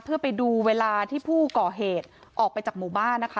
เพื่อไปดูเวลาที่ผู้ก่อเหตุออกไปจากหมู่บ้านนะคะ